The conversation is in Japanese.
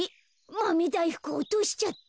マメだいふくおとしちゃった。